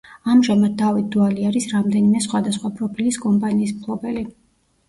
ამჟამად დავით დვალი არის რამდენიმე სხვადასხვა პროფილის კომპანიის მფლობელი.